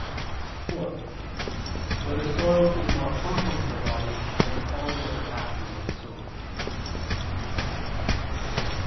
(4) Whether sorrow is more harmful to the body than all the other passions of the soul?